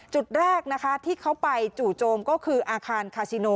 จุดแรกนะคะที่เขาไปจู่โจมก็คืออาคารคาซิโน